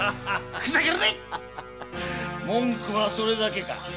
ふざけるな文句はそれだけか。